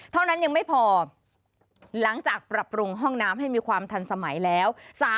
เท่านั้นยังไม่พอหลังจากปรับปรุงห้องน้ำให้มีความทันสมัยแล้ว